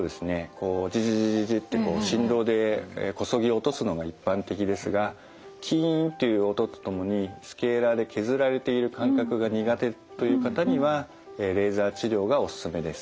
こうジジジジジってこう振動でこそぎ落とすのが一般的ですがキーンという音と共にスケーラーで削られている感覚が苦手という方にはレーザー治療がお勧めです。